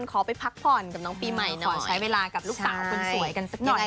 ขอไปพักผ่อนกับน้องปีใหม่หน่อยใช้เวลากับลูกสาวคนสวยกันสักหน่อย